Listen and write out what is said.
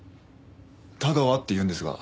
田川っていうんですが。